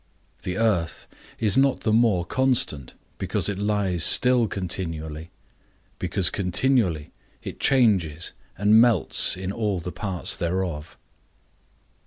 The earth is not the more constant, because it lies still continually, because continually it changes and melts in all the parts thereof.